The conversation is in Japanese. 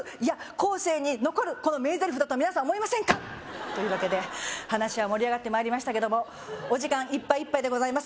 後世に残るこの名ゼリフだと皆さん思いませんか？というわけで話は盛り上がってまいりましたけどもお時間いっぱいいっぱいでございます